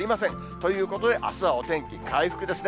ということで、あすはお天気回復ですね。